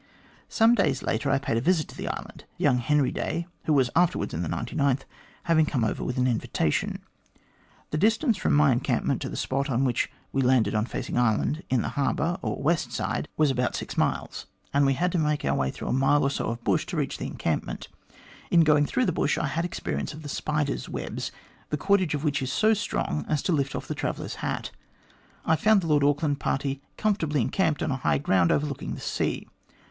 " Some days later I paid a visit to the island ; young Henry Day, who was afterwards in the 99th, having come over with an invitation. The distance from my encampment to the spot on which we landed on Facing Island, in the harbour, or west side, 184 THE GLADSTONE COLONY was about six miles, and we had to make our way through a mile or so of bush to reach the encampment. In going through the bush I had experience of the spiders' webs, the cordage of which is so strong as to lift off the traveller's hat. I found the Lord Auckland party comfortably encamped on a high ground overlooking the sea.